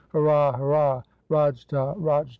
"Hurrah! hurrah! — Rajta! rajta!"